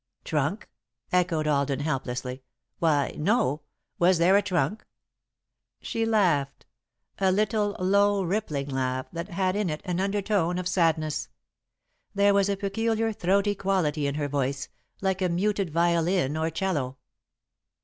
"Trunk!" echoed Alden, helplessly. "Why, no! Was there a trunk?" She laughed a little, low rippling laugh that had in it an undertone of sadness. There was a peculiar, throaty quality in her voice, like a muted violin or 'cello.